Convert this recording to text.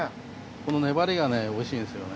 この粘りがねおいしいんですよね。